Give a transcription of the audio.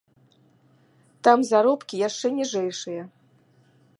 Там заробкі яшчэ ніжэйшыя.